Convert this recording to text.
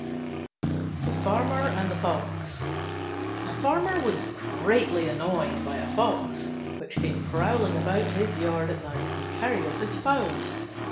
THE FARMER AND THE FOX A Farmer was greatly annoyed by a Fox, which came prowling about his yard at night and carried off his fowls.